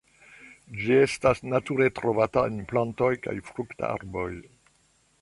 Ĝi estas nature trovata en plantoj kaj fruktarboj.